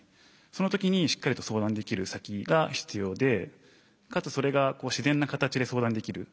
その時にしっかりと相談できる先が必要でかつそれが自然な形で相談できる。